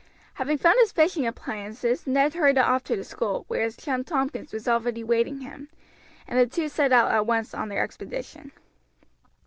Having found his fishing appliances Ned hurried off to the school, where his chum Tompkins was already waiting him, and the two set out at once on their expedition.